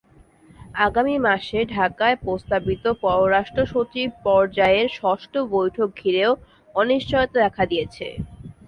আগামী মাসে ঢাকায় প্রস্তাবিত পররাষ্ট্রসচিব পর্যায়ের ষষ্ঠ বৈঠক ঘিরেও অনিশ্চয়তা দেখা দিয়েছে।